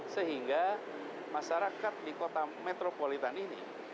sehingga masyarakat di kota metropolitan ini